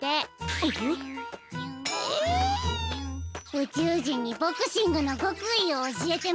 うちゅうじんにボクシングのごくいをおしえてもらおう！